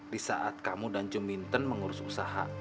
di saat kamu dan juminton mengurus usaha